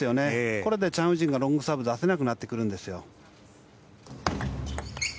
これでチャン・ウジンがロングサーブ出せなくなってくるんです。